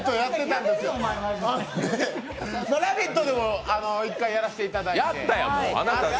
ほんで「ラヴィット！」でも１回やらせていただいて。